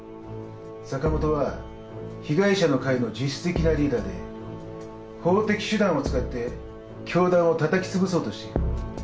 坂本は被害者の会の実質的なリーダーで法的手段を使って教団をたたきつぶそうとしている。